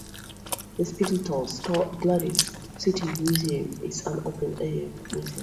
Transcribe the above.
The Spindletop-Gladys City Museum is an open-air museum.